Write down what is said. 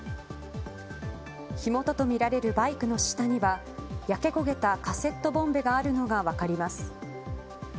火元とみられるバイクの下には焼け焦げたカセットボンベがあるのが分かります。